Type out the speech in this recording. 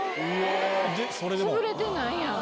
潰れてないやん。